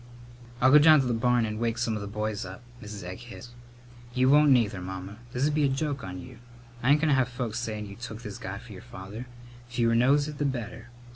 "I'll go down to the barn and wake some of the boys up," Mrs. Egg hissed. "You won't neither, Mamma. This'd be a joke on you. I ain't goin' to have folks sayin' you took this guy for your father. Fewer knows it, the better.